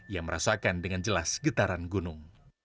ia merasakan dengan jelas getaran gunung